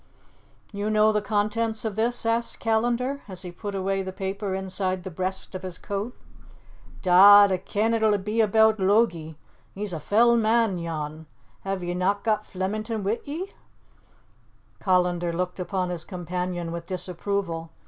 "You know the contents of this?" asked Callandar, as he put away the paper inside the breast of his coat. "Dod, a ken it'll be aboot Logie. He's a fell man, yon. Have ye na got Flemington wi' ye?" Callandar looked upon his companion with disapproval.